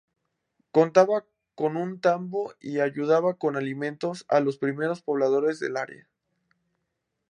Contaba con un tambo y ayudaba con alimentos a los primeros pobladores del área.